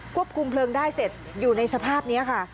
ควบคุมเพลิงได้เสร็จอยู่ในสภาพนี้ค่ะ